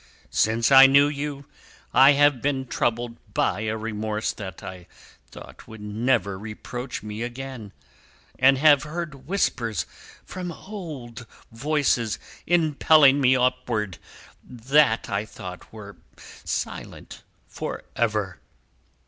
Since I knew you, I have been troubled by a remorse that I thought would never reproach me again, and have heard whispers from old voices impelling me upward, that I thought were silent for ever.